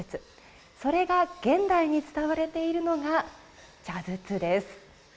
それが現代に使われているのが茶筒です。